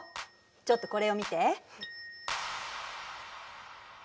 ちょっとこれを見て。